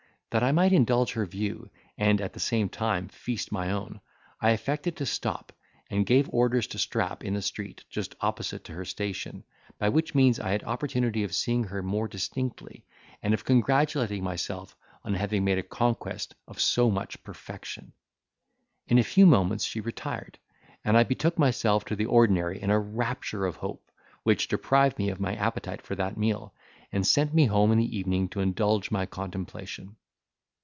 That I might indulge her view, and at the same time feast my own, I affected to stop, and gave orders to Strap, in the street, just opposite to her station, by which means I had an opportunity of seeing her more distinctly, and of congratulating myself on having made a conquest of so much perfection. In a few moments she retired, and I betook myself to the ordinary in a rapture of hope, which deprived me of my appetite for that meal, and sent me home in the evening to indulge my contemplation.